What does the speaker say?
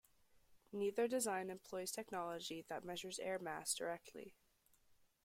Neither design employs technology that measures air mass directly.